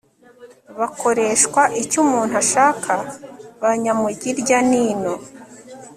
bakoreshwa icyo umuntu ashaka ba nyamujyiryanino